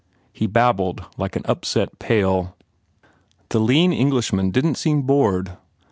He babbled like an upset pail. The lean Englishman didn t seem bored.